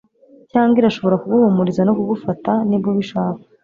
cyangwa irashobora kuguhumuriza no kugufata, niba ubishaka